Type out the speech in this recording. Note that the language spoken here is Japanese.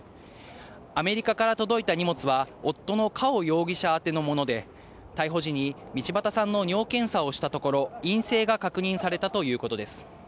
アメリカから届いた荷物は、夫のカオ容疑者宛てのもので、逮捕時に、道端さんの尿検査をしたところ、陰性が確認されたということです。